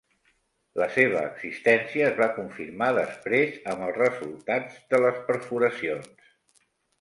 La seva existència es va confirmar després amb els resultats de les perforacions.